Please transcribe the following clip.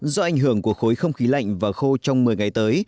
do ảnh hưởng của khối không khí lạnh và khô trong một mươi ngày tới